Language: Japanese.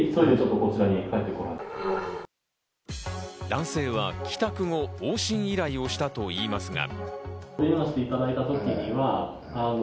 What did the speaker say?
男性は帰宅後、往診依頼をしたといいますが。